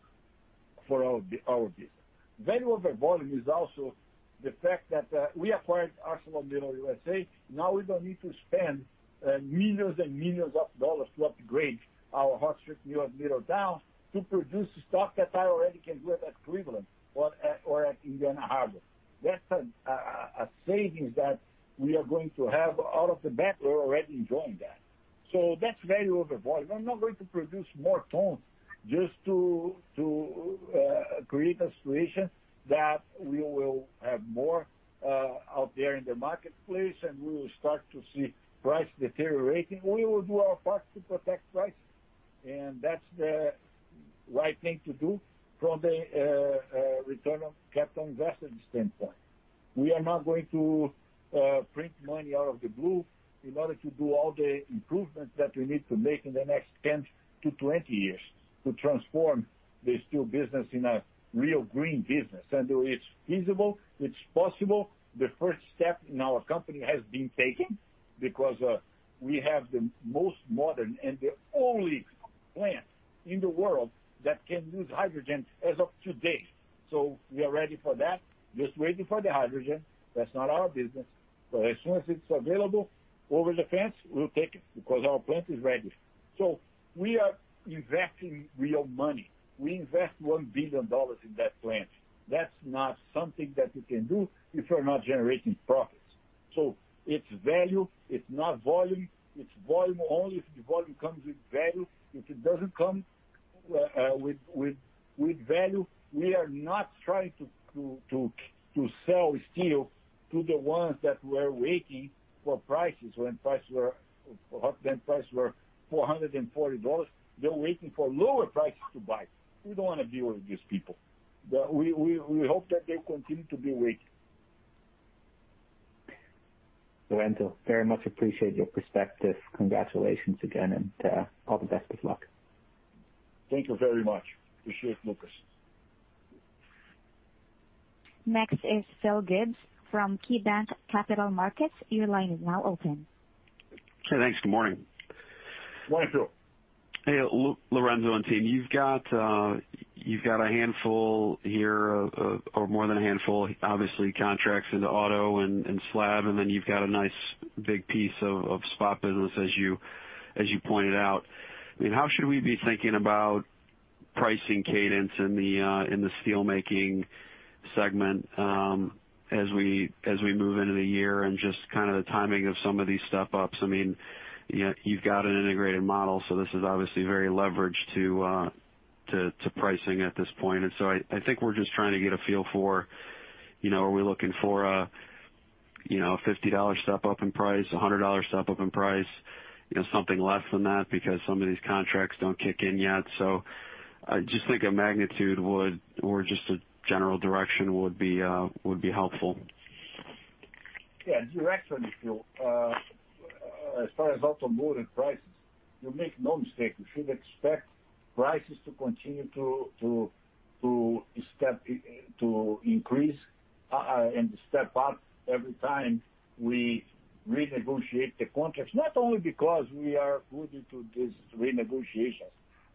for our business. Value over volume is also the fact that we acquired ArcelorMittal USA. Now we don't need to spend millions and millions of dollars to upgrade our hot strip in Middletown to produce stock that I already can do at Cleveland or at Indiana Harbor. That's a saving that we are going to have off the bat. We're already enjoying that. That's value over volume. We're not going to produce more tons just to create a situation that we will have more out there in the marketplace, and we will start to see price deteriorating. We will do our part to protect price, and that's the right thing to do from the return on capital investment standpoint. We are not going to print money out of the blue in order to do all the improvements that we need to make in the next 10-20 years to transform the steel business in a real green business. It's feasible. It's possible. The first step in our company has been taken because we have the most modern and the only plant in the world that can use hydrogen as of today. We are ready for that, just waiting for the hydrogen. That's not our business. As soon as it's available over the fence, we'll take it because our plant is ready. We are investing real money. We invest $1 billion in that plant. That's not something that you can do if you're not generating profits. It's value. It's not volume. It's volume only if the volume comes with value. If it doesn't come with value, we are not trying to sell steel to the ones that were waiting for prices when hot dip prices were $440. They're waiting for lower prices to buy. We don't want to deal with these people. We hope that they continue to be waiting. Lourenco, very much appreciate your perspective. Congratulations again, and all the best of luck. Thank you very much. Appreciate it, Lucas. Next is Phil Gibbs from KeyBanc Capital Markets. Your line is now open. Okay, thanks. Good morning. Morning, Phil. Hey, Lourenco and team, you've got a handful here, or more than a handful, obviously, contracts into auto and slab, and then you've got a nice big piece of spot business as you pointed out. How should we be thinking about pricing cadence in the steelmaking segment as we move into the year and just kind of the timing of some of these step-ups? You've got an integrated model, so this is obviously very leveraged to pricing at this point. I think we're just trying to get a feel for are we looking for a $50 step-up in price, $100 step-up in price, something less than that because some of these contracts don't kick in yet. I just think a magnitude or just a general direction would be helpful. Yeah. Directionally, Phil, as far as automotive prices, you make no mistake. We should expect prices to continue to increase and step up every time we renegotiate the contracts, not only because we are good at these renegotiations,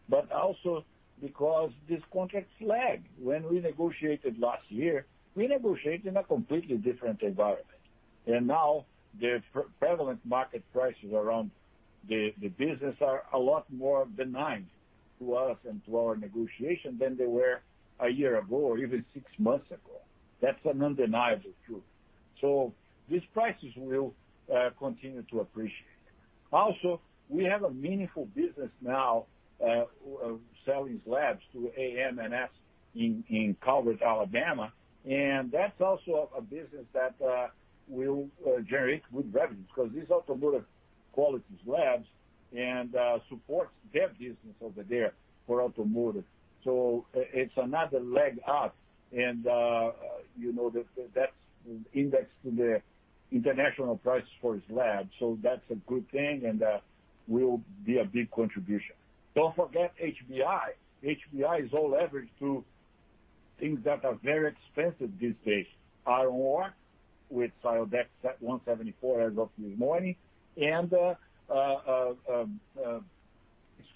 but also because these contracts lag. When we negotiated last year, we negotiated in a completely different environment, and now the prevalent market prices around the business are a lot more benign to us and to our negotiation than they were a year ago or even six months ago. That's an undeniable truth. These prices will continue to appreciate. Also, we have a meaningful business now selling slabs to AM/NS in Calvert, Alabama, and that's also a business that will generate good revenues because these automotive quality slabs and supports their business over there for automotive. It's another leg up and that's indexed to the international price for slab. That's a good thing and will be a big contribution. Don't forget HBI. HBI is all average to things that are very expensive these days. Iron ore, which settled back $174 as of this morning, and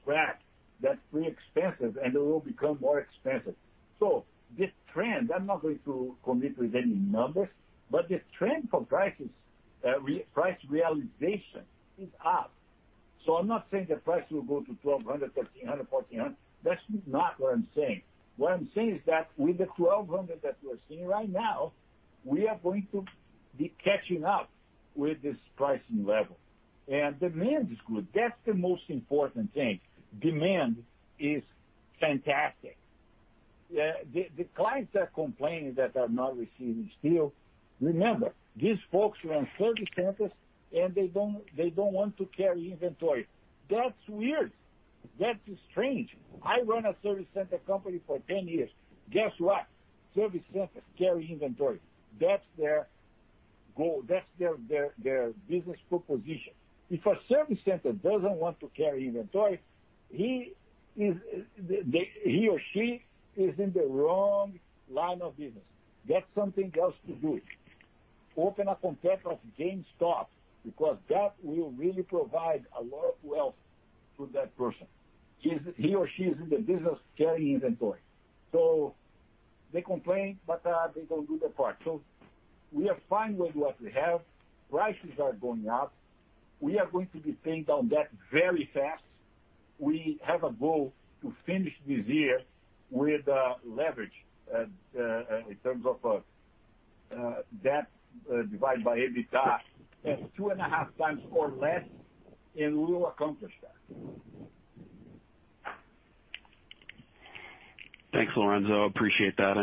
scrap. That's pretty expensive, and it will become more expensive. This trend, I'm not going to commit with any numbers, but this trend for price realization is up. I'm not saying the price will go to $1,200, $1,300, $1,400. That's not what I'm saying. What I'm saying is that with the $1,200 that we're seeing right now, we are going to be catching up with this pricing level. Demand is good. That's the most important thing. Demand is fantastic. The clients are complaining that they're not receiving steel. Remember, these folks run service centers, and they don't want to carry inventory. That's weird. That's strange. I run a service center company for 10 years. Guess what? Service centers carry inventory. That's their business proposition. If a service center doesn't want to carry inventory, he or she is in the wrong line of business. That's something else to do. Open a competitor of GameStop, because that will really provide a lot of wealth to that person. He or she is in the business of carrying inventory. They complain, but they don't do their part. We are fine with what we have. Prices are going up. We are going to be paying down debt very fast. We have a goal to finish this year with leverage, in terms of debt divided by EBITDA, at 2.5x or less, and we will accomplish that. Thanks, Lourenco. Appreciate that.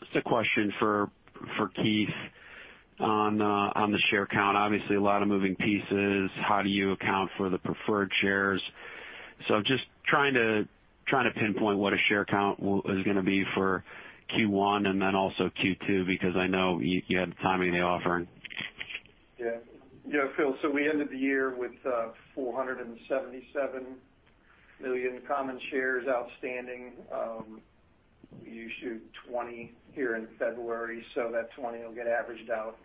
just a question for Keith on the share count. Obviously, a lot of moving pieces. How do you account for the preferred shares? just trying to pinpoint what a share count is going to be for Q1 and then also Q2, because I know you had the timing of the offering. Yeah, Phil. We ended the year with 477 million common shares outstanding. We issued 20 here in February, so that 20 will get averaged out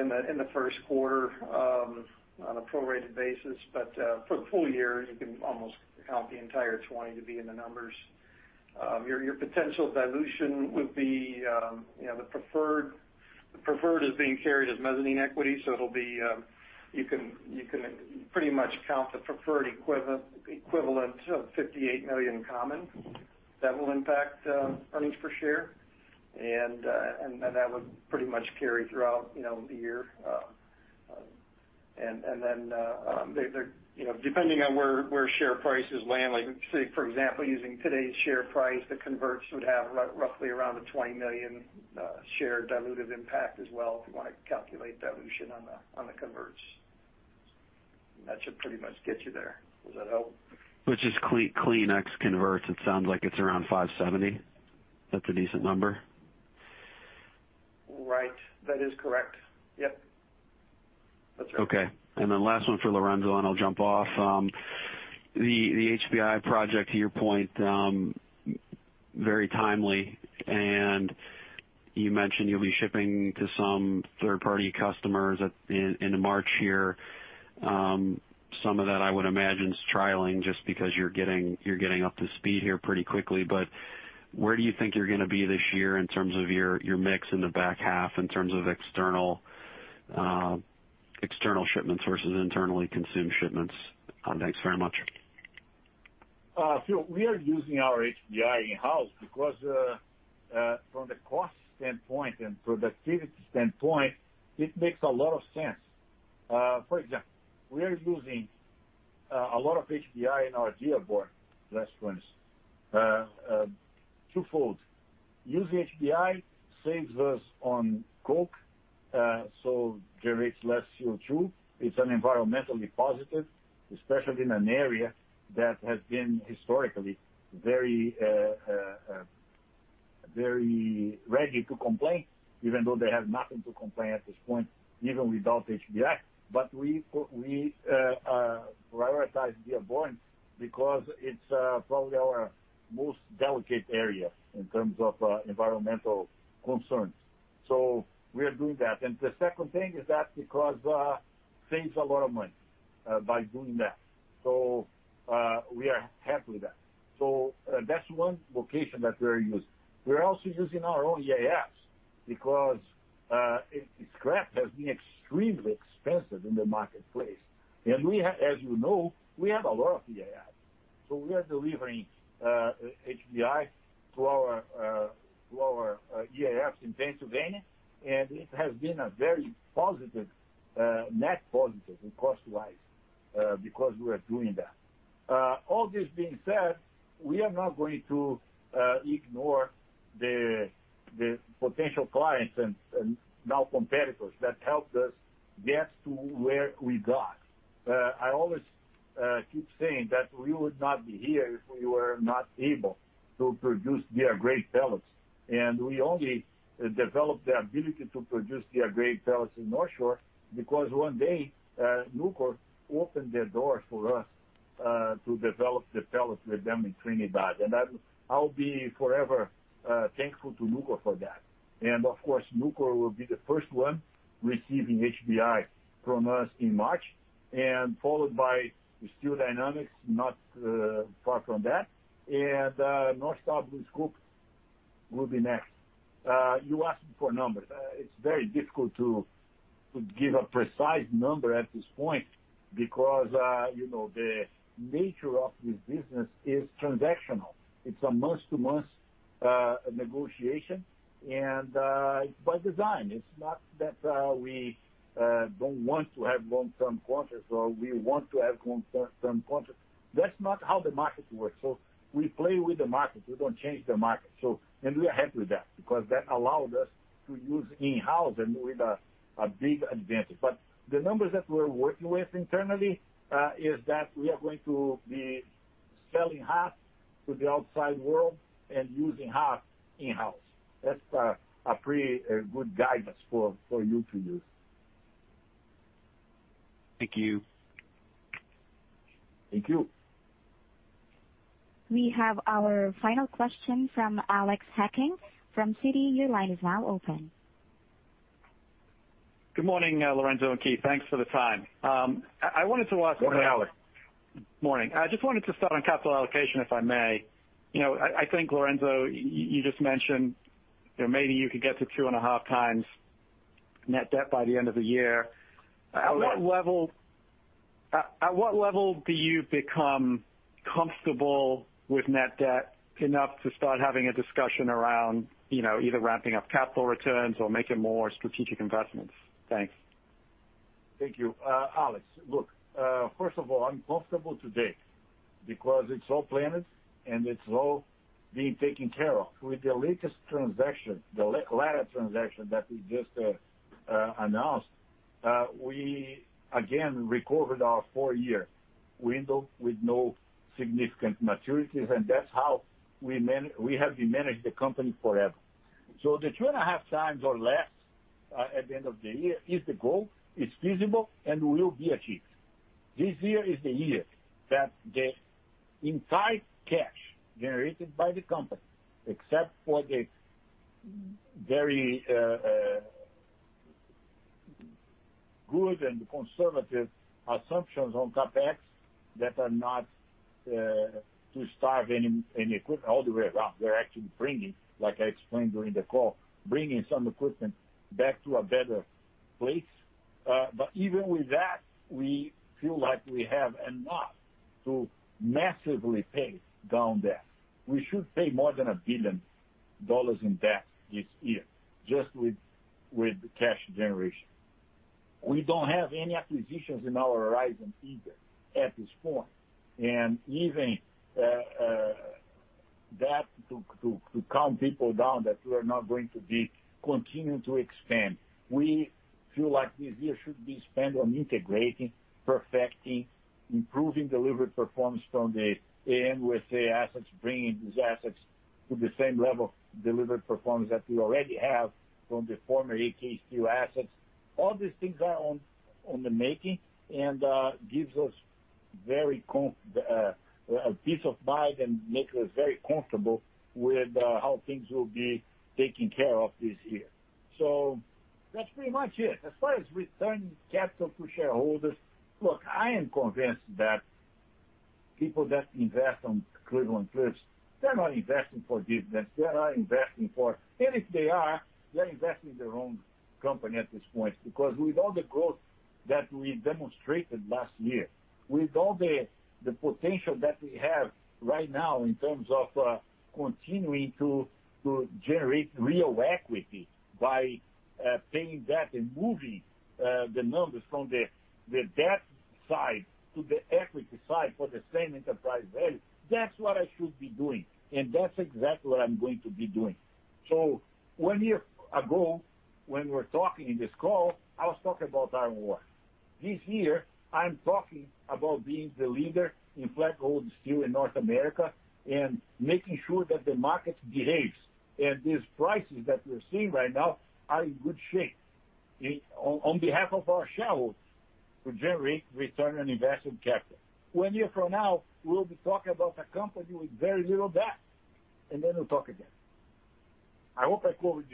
in the first quarter on a prorated basis. For the full year, you can almost count the entire 20 to be in the numbers. Your potential dilution would be the preferred is being carried as mezzanine equity, so you can pretty much count the preferred equivalent of 58 million common. That will impact earnings per share, and then that would pretty much carry throughout the year. Depending on where share prices land, say for example, using today's share price, the converts would have roughly around a 20 million share dilutive impact as well, if you want to calculate dilution on the converts. That should pretty much get you there. Does that help? Which is clean ex-converts. It sounds like it's around 570. That's a decent number. Right. That is correct. Yep. That's right. Okay. Last one for Lourenco, and I'll jump off. The HBI project, to your point, very timely, and you mentioned you'll be shipping to some third-party customers into March here. Some of that I would imagine is trialing just because you're getting up to speed here pretty quickly. Where do you think you're going to be this year in terms of your mix in the back half, in terms of external shipments versus internally consumed shipments? Thanks very much. Phil, we are using our HBI in-house because, from the cost standpoint and productivity standpoint, it makes a lot of sense. For example, we are using a lot of HBI in our Dearborn blast furnace. Twofold. Using HBI saves us on coke, so generates less CO2. It's environmentally positive, especially in an area that has been historically very ready to complain, even though they have nothing to complain at this point, even without HBI. We prioritize Dearborn because it's probably our most delicate area in terms of environmental concerns. We are doing that. The second thing is that because it saves a lot of money by doing that. We are happy with that. That's one location that we are using. We're also using our own EAFs because scrap has been extremely expensive in the marketplace. As you know, we have a lot of EAFs. We are delivering HBI to our EAFs in Pennsylvania, and it has been a very net positive cost-wise because we are doing that. All this being said, we are not going to ignore the potential clients and now competitors that helped us get to where we got. I always keep saying that we would not be here if we were not able to produce DR-grade pellets. We only developed the ability to produce DR-grade pellets in Northshore because one day, Nucor opened their doors for us to develop the pellets with them in Trinidad. I'll be forever thankful to Nucor for that. Of course, Nucor will be the first one receiving HBI from us in March, and followed by Steel Dynamics not far from that, and North Star BlueScope will be next. You asked me for numbers. It's very difficult to give a precise number at this point because the nature of this business is transactional. It's a month-to-month negotiation, and it's by design. It's not that we don't want to have long-term contracts, or we want to have long-term contracts. That's not how the market works. We play with the market. We don't change the market. We are happy with that because that allowed us to use in-house and with a big advantage. The numbers that we're working with internally is that we are going to be selling half to the outside world and using half in-house. That's a pretty good guidance for you to use. Thank you. Thank you. We have our final question from Alex Hacking from Citi. Your line is now open. Good morning, Lourenco and Keith. Thanks for the time. I wanted to ask- Good morning, Alex. Morning. I just wanted to start on capital allocation, if I may. I think, Lourenco, you just mentioned that maybe you could get to 2.5x net debt by the end of the year. At what level do you become comfortable with net debt, enough to start having a discussion around either ramping up capital returns or making more strategic investments? Thanks. Thank you. Alex, look, first of all, I'm comfortable today because it's all planned, and it's all being taken care of. With the latest transaction, the ArcelorMittal transaction that we just announced, we again recovered our four-year window with no significant maturities, and that's how we have managed the company forever. The two and a half times or less, at the end of the year, is the goal. It's feasible, and will be achieved. This year is the year that the entire cash generated by the company, except for the very good and conservative assumptions on CapEx that are not to starve any equipment. All the way around, we're actually bringing, like I explained during the call, bringing some equipment back to a better place. Even with that, we feel like we have enough to massively pay down debt. We should pay more than $1 billion in debt this year, just with cash generation. We don't have any acquisitions in our horizon either, at this point. even that, to calm people down, that we are not going to be continuing to expand. We feel like this year should be spent on integrating, perfecting, improving delivered performance from the AM USA assets, bringing these assets to the same level of delivered performance that we already have from the former AK Steel assets. All these things are on the making and gives us peace of mind and makes us very comfortable with how things will be taken care of this year. that's pretty much it. As far as returning capital to shareholders, look, I am convinced that people that invest on Cleveland-Cliffs, they're not investing for dividends. If they are, they're investing in the wrong company at this point. With all the growth that we demonstrated last year, with all the potential that we have right now in terms of continuing to generate real equity by paying debt and moving the numbers from the debt side to the equity side for the same enterprise value, that's what I should be doing, and that's exactly what I'm going to be doing. One year ago, when we were talking in this call, I was talking about iron ore. This year, I'm talking about being the leader in flat rolled steel in North America and making sure that the market behaves, and these prices that we're seeing right now are in good shape, on behalf of our shareholders to generate return on invested capital. One year from now, we'll be talking about a company with very little debt. we'll talk again. I hope I covered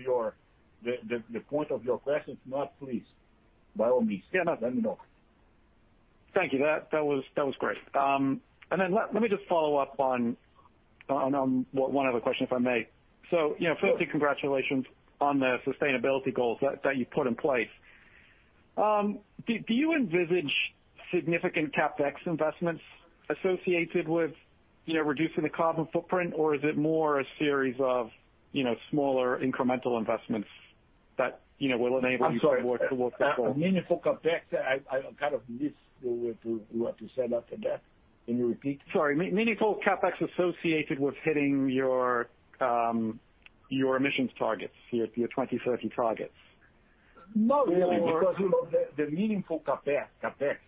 the point of your question. If not, please, by all means, let me know. Thank you. That was great. Let me just follow up on one other question, if I may. Firstly, congratulations on the sustainability goals that you put in place. Do you envisage significant CapEx investments associated with reducing the carbon footprint, or is it more a series of smaller incremental investments that will enable you to work towards that goal? I'm sorry. Meaningful CapEx, I kind of missed what you said after that. Can you repeat? Sorry. Meaningful CapEx associated with hitting your emissions targets, your 2030 targets. No, because the meaningful CapEx that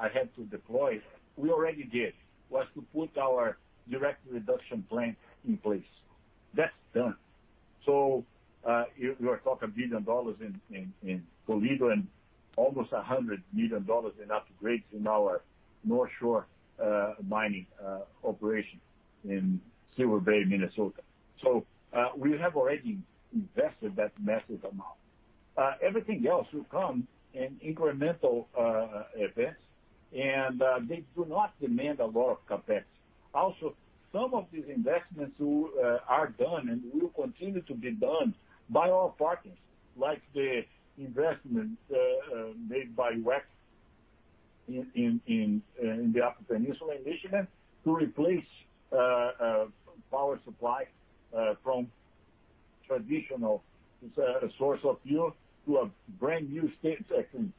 I had to deploy, we already did was to put our direct reduction plant in place. That's done. You are talking billion dollars in Toledo and almost $100 million in upgrades in our Northshore mining operation in Silver Bay, Minnesota. We have already invested that massive amount. Everything else will come in incremental events, and they do not demand a lot of CapEx. Also, some of these investments are done and will continue to be done by our partners, like the investment made by WEC in the Upper Peninsula in Michigan to replace power supply from traditional source of fuel to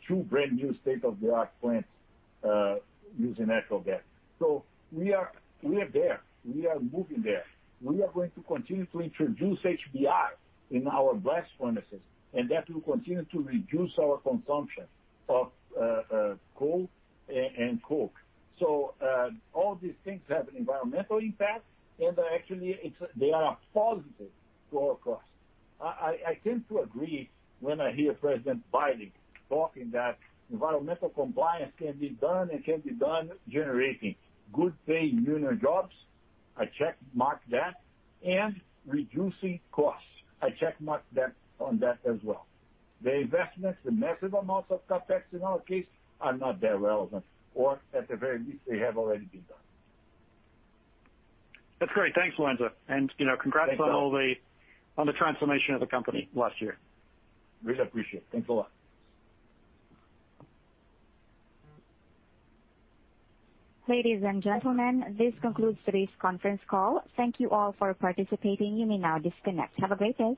two brand new state-of-the-art plants using natural gas. We are there. We are moving there. We are going to continue to introduce HBI in our blast furnaces, and that will continue to reduce our consumption of coal and coke. all these things have an environmental impact and actually, they are a positive to our cost. I tend to agree when I hear President Biden talking that environmental compliance can be done and can be done generating good-paying union jobs. I check mark that. reducing costs. I check mark that on that as well. The investments, the massive amounts of CapEx in our case, are not that relevant. at the very least, they have already been done. That's great. Thanks, Lourenco. Congrats. Thanks, Alex. on the transformation of the company last year. Really appreciate it. Thanks a lot. Ladies and gentlemen, this concludes today's conference call. Thank you all for participating. You may now disconnect. Have a great day.